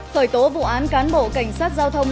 khởi tố vụ án cán bộ cảnh sát giao thông